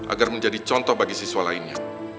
agar menjadi contoh bagi siswa lainnya